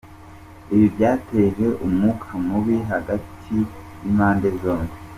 Ibi byateje umwuka mubi hagati y’impande zombi.